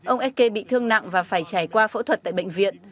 ông ecke bị thương nặng và phải trải qua phẫu thuật tại bệnh viện